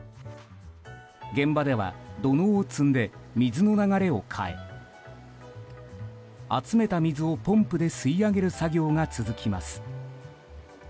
現場では土のうを積んで水の流れを変え集めた水をポンプで吸い上げる作業が続きます。